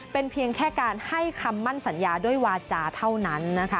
เป็นเพียงแค่การให้คำมั่นสัญญาด้วยวาจาเท่านั้นนะคะ